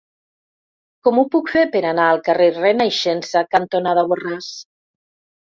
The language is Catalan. Com ho puc fer per anar al carrer Renaixença cantonada Borràs?